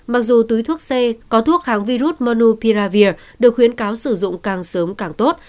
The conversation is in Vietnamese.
mặc dù túi thuốc c có thuốc kháng virus monopiravir được khuyến cáo sử dụng càng sớm càng tốt